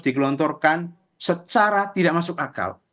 digelontorkan secara tidak masuk akal